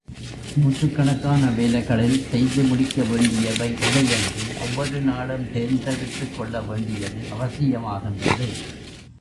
நூற்றுக் கணக்கான வேலைகளில் செய்து முடிக்க வேண்டியவை எவை என்று ஒவ்வொரு நாளும் தேர்ந்தெடுத்துக் கொள்ளவேண்டியது அவசியமாகின்றது.